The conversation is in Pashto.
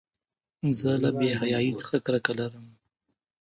زه له بېحیایۍ څخه کرکه لرم.